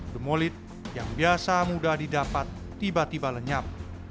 dumolit yang biasa mudah didapat tiba tiba lenyap